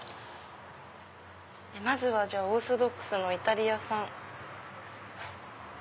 まずはオーソドックスのイタリア産。